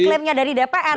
itu klaimnya dari dpr